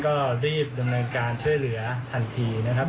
ก็รีบดำเนินการช่วยเหลือทันทีนะครับ